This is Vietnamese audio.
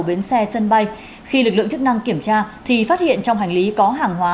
bến xe sân bay khi lực lượng chức năng kiểm tra thì phát hiện trong hành lý có hàng hóa